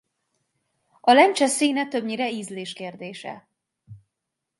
A lencse színe többnyire ízlés kérdése.